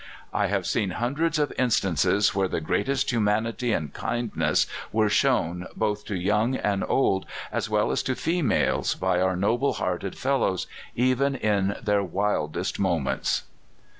"I have seen hundreds of instances where the greatest humanity and kindness were shown, both to young and old, as well as to females, by our noble hearted fellows, even in their wildest moments."